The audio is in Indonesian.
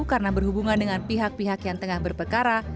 karena berhubungan dengan pihak pihak yang tengah berpekara